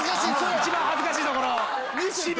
一番恥ずかしい所恥部。